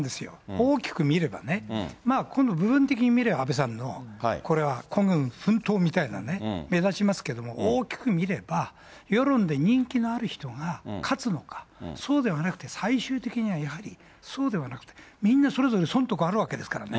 大きく見ればね、まあこの部分的に見れば、安倍さんの、これは孤軍奮闘みたいな目立ちますけれども、大きく見れば、世論で人気のある人が勝つのか、そうではなくて最終的には、やはりそうではなくて、みんなそれぞれ損得あるわけですからね。